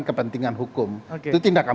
kepentingan hukum itu tindakan